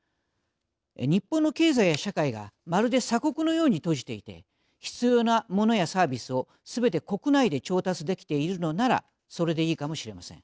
日本の経済や社会がまるで鎖国のように閉じていて必要なモノやサービスをすべて国内で調達できているのならそれでいいかもしれません。